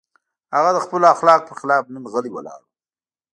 هغه د خپلو اخلاقو پر خلاف نن غلی ولاړ و.